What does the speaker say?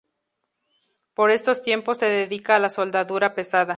Por esos tiempos se dedica a la soldadura pesada.